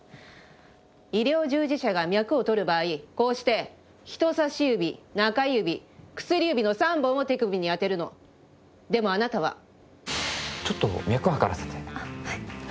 医療従事者が脈をとる場合こうして人さし指中指薬指の３本を手首に当てるのでもあなたはあっはい